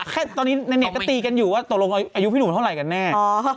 แค่ตอนนี้ในเน็ตก็ตีกันอยู่ว่าตกลงอายุพี่หนุ่มเท่าไหร่กันแน่